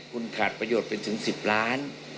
คุณขาดประโยชน์เป็นถึง๑๐ล้าน